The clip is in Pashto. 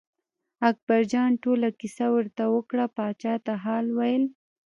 اکبرجان ټوله کیسه ورته وکړه پاچا ته حال ویل.